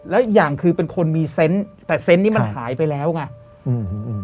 แล้วอย่างคือเป็นคนมีเซนต์แต่เซนต์นี้มันหายไปแล้วไงอืม